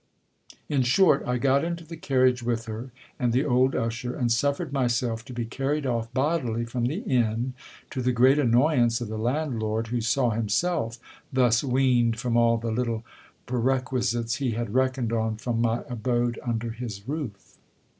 In short, I got into the carriage with her and the old usher, and suffered myself to be carried off bodily from the inn, to the great annoyance of the landlord, who saw himself thus weaned from all the little perquisites he had reckoned on from my abode under his roof.